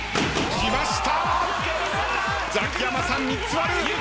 きました！